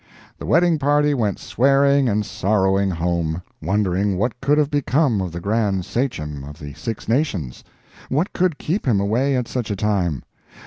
The wedding party went swearing and sorrowing home, wondering what could have become of the Grand Sachem of the Six Nations?—what could keep him away at such a time?